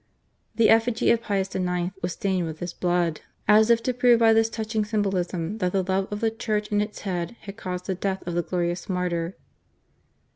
The effigy of Pius IX. was stained with his blood, as if to prove by this touching symbolism that the love of the Church and its Head had caused the death of the glorious martyr.